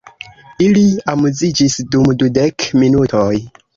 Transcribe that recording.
Ili amuziĝis dum dudek minutoj.